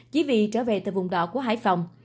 chỉ vì trở về từ vùng đỏ của hải phòng